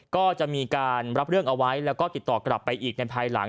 ก็จะมีการรับเรื่องเอาไว้แล้วก็ติดต่อกลับไปอีกในภายหลัง